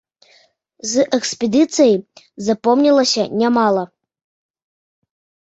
З экспедыцый запомнілася нямала.